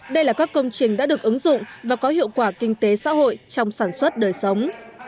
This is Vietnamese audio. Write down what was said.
đây là các công trình đã được ứng dụng và có hiệu quả kinh tế xã hội trong sản xuất đời sống